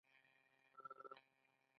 ناول څه ته وایي؟